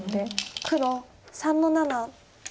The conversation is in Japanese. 黒３の七。